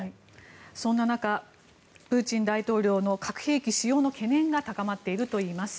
そんな中プーチン大統領の核兵器使用の懸念が高まっているといいます。